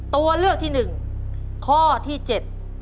ตัวเลือกที่หนึ่งข้อที่เจ็ด